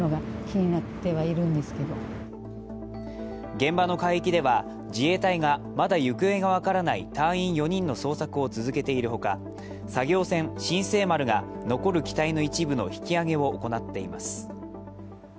現場の海域では自衛隊がまだ行方が分からない隊員４人の捜索を続けているほか、作業船「新世丸」が、残る機体の一部の引き揚げを行っています。